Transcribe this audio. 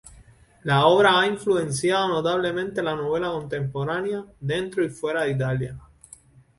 La obra ha influenciado notablemente la novela contemporánea dentro y fuera de Italia.